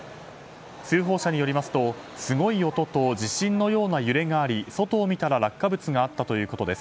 通報者によりますとすごい音と地震のような揺れがあり外を見たら落下物があったということです。